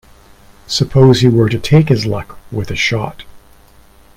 Suppose he were to take his luck with a shot?